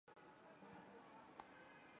泰拉诺娃出生于义大利托斯卡尼的。